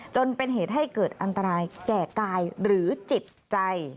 จนเป็นเหตุให้เกิดอันตรายแก่กายหรือจิตใจ